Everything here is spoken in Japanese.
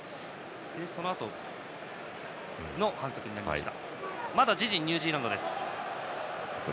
そのあとの反則になりました。